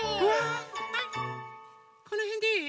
このへんでいい？